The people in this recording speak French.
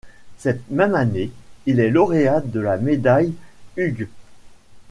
Cette même année, il est lauréat de la médaille Hughes.